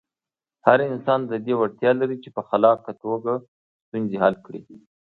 هر انسان د دې وړتیا لري چې په خلاقه توګه ستونزې حل کړي.